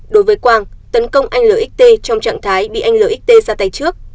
đối với quang tấn công anh lxt trong trạng thái bị anh lxt ra tay trước